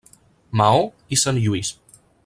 Maó i Sant Lluís.